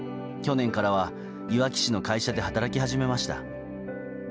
去年からは、いわき市の会社で働き始めました。